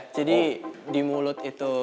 jadi di mulut itu